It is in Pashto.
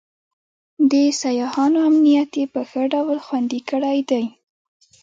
د سیاحانو امنیت یې په ښه ډول خوندي کړی دی.